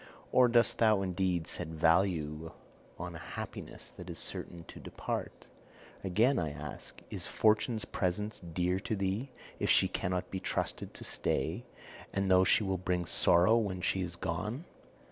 Or dost thou indeed set value on a happiness that is certain to depart? Again I ask, Is Fortune's presence dear to thee if she cannot be trusted to stay, and though she will bring sorrow when she is gone?